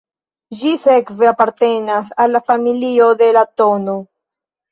Ĝi sekve apartenas al la familio de la tn.